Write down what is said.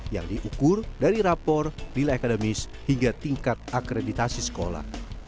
yang diukur dari rapor nilai akademis hingga tingkat akreditasi sekolah